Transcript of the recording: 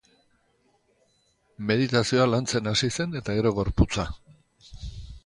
Meditazioa lantzen hasi zen, eta, gero, gorputza.